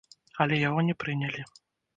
Але яго не прынялі.